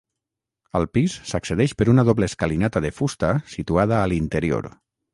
Al pis s'accedeix per una doble escalinata de fusta situada a l'interior.